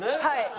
はい。